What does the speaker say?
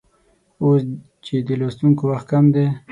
اوس چې د لوستونکو وخت کم دی